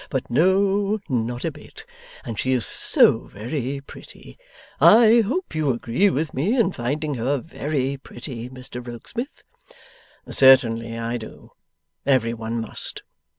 But no, not a bit. And she is so very pretty! I hope you agree with me in finding her very pretty, Mr Rokesmith?' 'Certainly I do. Every one must.